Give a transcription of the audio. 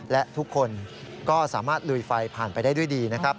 และทุกคนก็สามารถลุยไฟผ่านไปได้ด้วยดีนะครับ